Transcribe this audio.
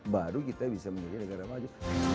baru kita bisa menjadi negara maju